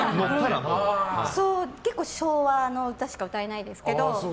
結構昭和の歌しか歌えないですけど。